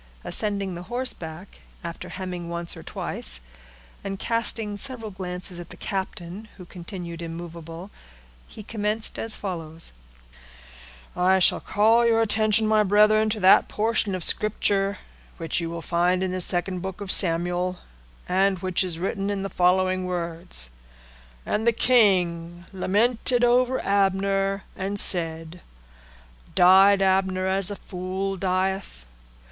Ascending the horseblock, after hemming once or twice, and casting several glances at the captain, who continued immovable, he commenced as follows:— "I shall call your attention, my brethren, to that portion of Scripture which you will find in the second book of Samuel, and which is written in the following words:—'_And the king lamented over Abner, and said. Died Abner as a fool dieth?